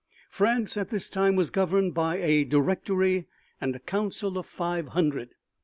France at this time was governed by a Directory and a Council of Five Hundred.